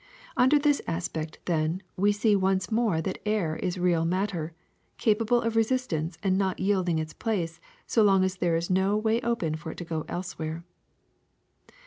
Under this aspect, then, we see once more that air is real matter, capable of resistance and not yielding its place so long as there is no way open for it to go elsewhere.